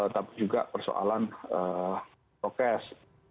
tapi juga persoalan prokes